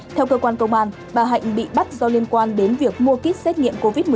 theo cơ quan công an bà hạnh bị bắt do liên quan đến việc mua kích xét nghiệm covid một mươi chín